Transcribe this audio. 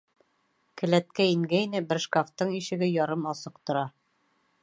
Келәткә ингәйне, бер шкафтың ишеге ярым асыҡ тора.